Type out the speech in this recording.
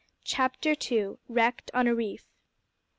CHAPTER TWO. WRECKED ON A REEF.